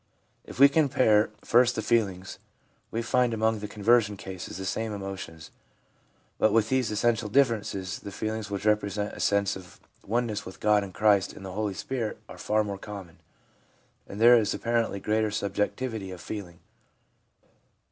If we compare first the feelings, we find among the conversion cases the same emotions, but with these essential differences : the feelings which represent a sense of oneness with God and Christ and the Holy Spirit are far more common, and there is apparently greater subjectivity of feeling.